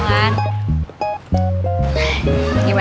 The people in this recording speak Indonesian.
gimana seru kan